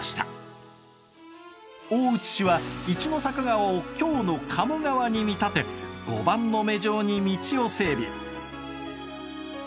大内氏は一の坂川を京の鴨川に見立て碁盤の目状に道を整備。